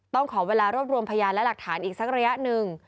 ขอเวลารวบรวมพยานและหลักฐานอีกสักระยะหนึ่ง